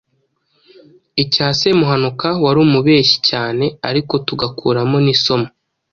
icya Semuhanuka wari umubeshyi cyane ariko tugakuramo n’isomo